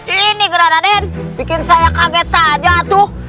ini grand bikin saya kaget saja tuh